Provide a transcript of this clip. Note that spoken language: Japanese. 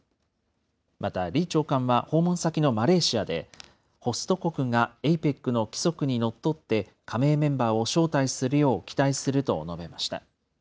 また、李長官は訪問先のマレーシアで、ホスト国がＡＰＥＣの規則にのっとって加盟メンバーを招待するよう期待すると述べました。